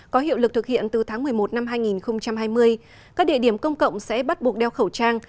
có hiệu lực thực hiện từ tháng một mươi một năm hai nghìn hai mươi các địa điểm công cộng sẽ bắt buộc đeo khẩu trang